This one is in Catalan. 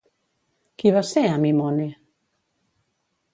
Qui va ser Amimone?